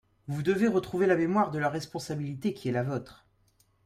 Vous devez retrouver la mémoire de la responsabilité qui est la vôtre.